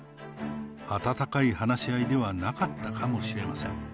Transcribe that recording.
温かい話し合いではなかったかもしれません。